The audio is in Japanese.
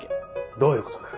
どういうことだよ。